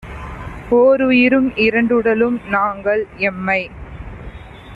ஓருயிரும் இரண்டுடலும் நாங்கள்! எம்மை